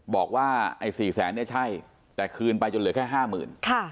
บอกว่าไอ้๔แสนเนี่ยใช่แต่คืนไปจนเหลือแค่๕๐๐๐บาท